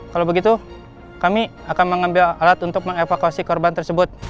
kalau begitu kami akan mengambil alat untuk mengevakuasi korban tersebut